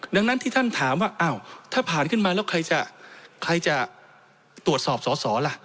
ดังนั้นที่ท่านถามว่าอ้าวถ้าผ่านขึ้นมาแล้วใครจะใครจะตรวจสอบสอสอล่ะ